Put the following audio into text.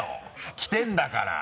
着てるんだから！